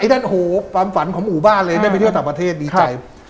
นั่นโหความฝันของหมู่บ้านเลยได้ไปเที่ยวต่างประเทศดีใจ